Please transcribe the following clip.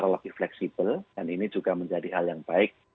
lebih fleksibel dan ini juga menjadi hal yang baik